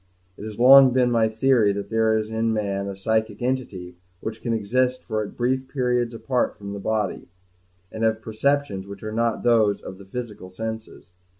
It has long been my theory that there is in man a psychic entity which can exist for at least brief periods apart from the body, and have perceptions which are not those of the physical senses.